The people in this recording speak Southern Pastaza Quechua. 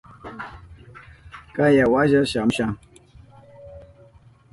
Kaya washa shamusha.